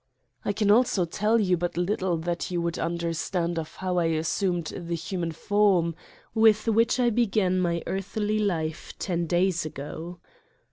I can also tell you but little that you would un derstand of how I assumed the human form, with which I began my earthly life ten days ago.